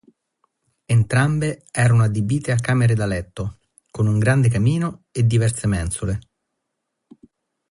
Entrambe erano adibite a camere da letto, con un grande camino e diverse mensole.